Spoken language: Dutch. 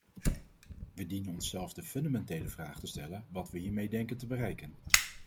We dienen onszelf de fundamentele vraag te stellen wat we hiermee denken te bereiken.